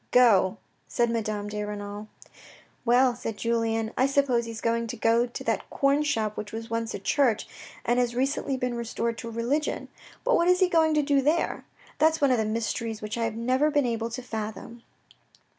" Go," said Madame de Renal. " Well," said Julien, " I suppose he's going to go to that corn shop which was once a church, and has recently been restored to religion, but what is he going to do there ? That's one of the mysteries which I have never been able to fathom."